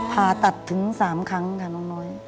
ผ่าตัดถึง๓ครั้งค่ะน้องน้อย